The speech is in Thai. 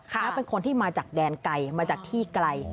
แล้วเป็นคนที่มาจากแดนไกลมาจากที่ไกล